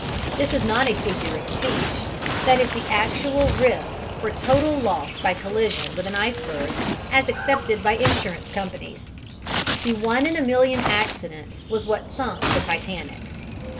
This is not a figure of speech: that is the actual risk for total loss by collision with an iceberg as accepted by insurance companies. The one in a million accident was what sunk the Titanic.